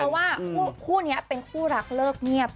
เพราะว่าคู่นี้เป็นคู่รักเลิกเงียบ